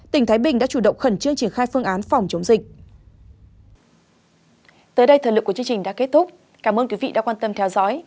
tỉnh thái bình đã chủ động khẩn trương triển khai phương án phòng chống dịch